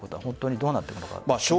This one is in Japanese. どうなっていくのでしょうか。